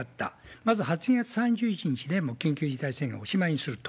まず８月３１日で緊急事態宣言はおしまいにすると。